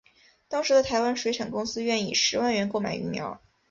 当时的台湾水产公司愿以十万元购买鱼苗。